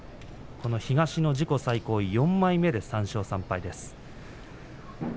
東の自己最高４枚目３勝３敗です。